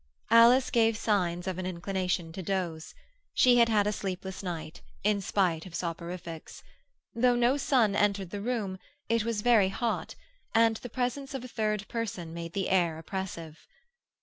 Alice gave signs of an inclination to doze; she had had a sleepless night, in spite of soporifics. Though no sun entered the room, it was very hot, and the presence of a third person made the air oppressive.